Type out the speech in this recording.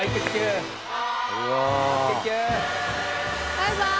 バイバイ。